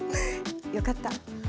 よかった！